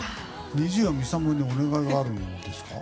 ＮｉｚｉＵはＭＩＳＡＭＯにお願いがあるんですか？